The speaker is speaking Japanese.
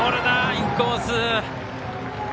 インコース！